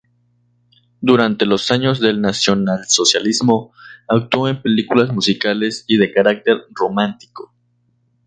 Durante los años del Nacionalsocialismo, actuó en películas musicales y de carácter romántico.